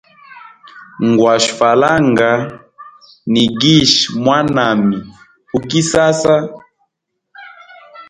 Ngwashe falanga, nigishe mwanami u kisasa.